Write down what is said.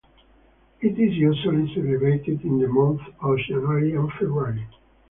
It is usually celebrated in the month of January and February.